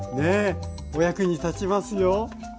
お役に立ちますよ。